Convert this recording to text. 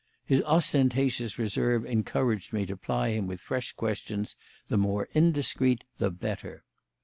His ostentatious reserve encouraged me to ply him with fresh questions, the more indiscreet the better.